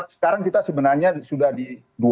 sekarang kita sebenarnya sudah di dua empat